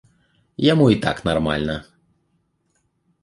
Яму і так нармальна.